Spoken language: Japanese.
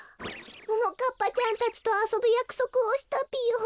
ももかっぱちゃんたちとあそぶやくそくをしたぴよ。